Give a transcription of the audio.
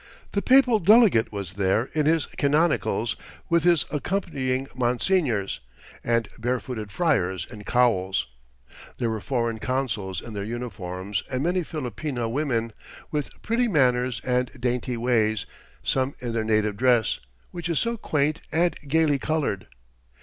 The papal delegate was there in his canonicals, with his accompanying monsignors, and barefooted friars in cowls. There were foreign consuls in their uniforms, and many Filipina women, with pretty manners and dainty ways, some in their native dress, which is so quaint and gaily coloured.